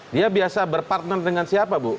dia biasa berpartner dengan siapa bu